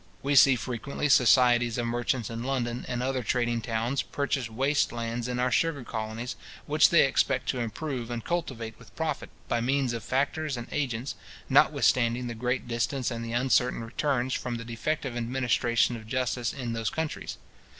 We see frequently societies of merchants in London, and other trading towns, purchase waste lands in our sugar colonies, which they expect to improve and cultivate with profit, by means of factors and agents, notwithstanding the great distance and the uncertain returns, from the defective administration of justice in those countries.